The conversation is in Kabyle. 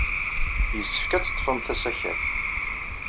Yessefk ad teḍḍfemt asakal.